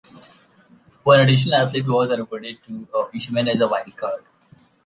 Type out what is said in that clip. One additional athlete was allocated to each event as a wild card.